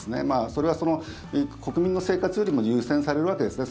それは、国民の生活よりも優先されるわけですね。